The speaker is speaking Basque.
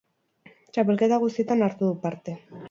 Txapelketa guztietan hartu du parte.